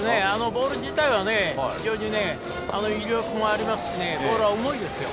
ボール自体は非常に威力もありますしボールは重いですよ。